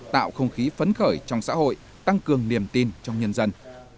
tạo không khí phấn khởi trong xã hội tăng cường niềm tin trong nhân dân